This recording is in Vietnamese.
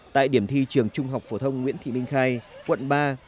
tại điểm thi trường trung học phổ thông nguyễn thị minh khai quận ba